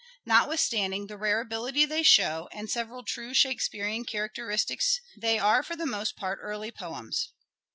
Notwithstanding the rare ability they show, and several true Shakespearean characteristics, they are for the most part early poems.